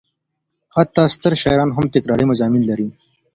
حتی ستر شاعران هم تکراري مضامین لري.